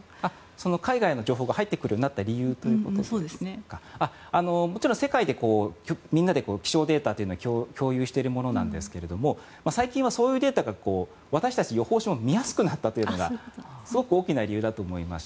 海外の情報が入ってくるようになった理由はもちろん世界でみんなで気象データは共有してるものなんですけども最近はそういうデータを私たち予報士も見やすくなったのがすごく大きな理由だと思います。